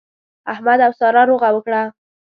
احمد او سارا روغه وکړه.